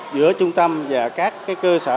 giữa trung tâm và các cơ sở